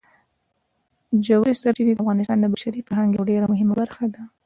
ژورې سرچینې د افغانستان د بشري فرهنګ یوه ډېره مهمه برخه ده.